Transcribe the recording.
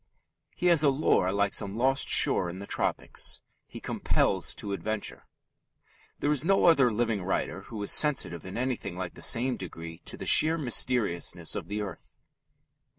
He has a lure like some lost shore in the tropics. He compels to adventure. There is no other living writer who is sensitive in anything like the same degree to the sheer mysteriousness of the earth.